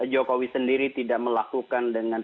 jokowi sendiri tidak melakukan dengan